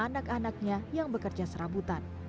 dan anak anaknya yang bekerja serabutan